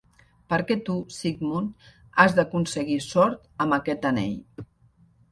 Perquè tu, Sigmund, has d'aconseguir sort amb aquest anell.